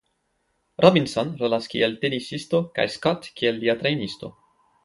Robinson rolas kiel tenisisto kaj Scott kiel lia trejnisto.